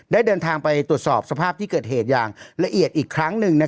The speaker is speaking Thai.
ได้เดินทางไปตรวจสอบสภาพที่เกิดเหตุอย่างละเอียดอีกครั้งหนึ่ง